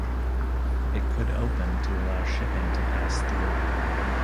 It could open to allow shipping to pass through.